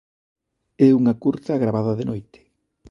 É unha curta gravada de noite.